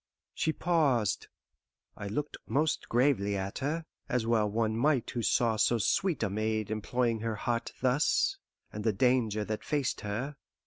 She paused. I looked most gravely at her, as well one might who saw so sweet a maid employing her heart thus, and the danger that faced her.